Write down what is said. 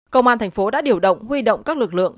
công an tp đã điều động huy động các lực lượng